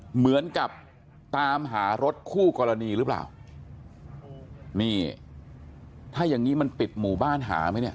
เหมือนกับตามหารถคู่กรณีหรือเปล่านี่ถ้าอย่างงี้มันปิดหมู่บ้านหาไหมเนี่ย